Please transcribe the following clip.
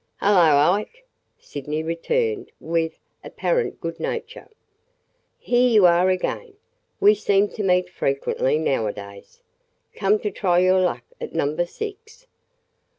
"Hullo, Ike!" Sydney returned with apparent good nature. "Here you are again! We seem to meet frequently nowadays. Come to try your luck at Number Six?"